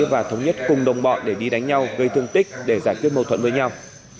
và thống nhất cùng đồng bọn để đi đánh nhau gây thương tích để giải quyết mâu thuẫn với nhau